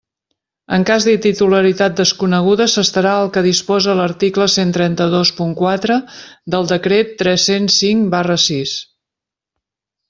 En cas de titularitat desconeguda s'estarà al que disposa l'article cent trenta-dos punt quatre del Decret tres-cents cinc barra sis.